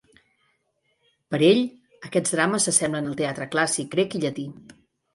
Per ell, aquests drames s'assemblen al teatre clàssic grec i llatí.